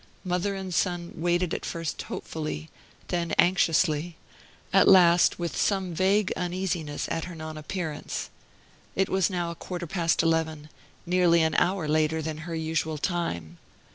Mother and son waited at first hopefully, then anxiously, at last with some vague uneasiness at her non appearance. It was now a quarter past eleven nearly an hour later than her usual time.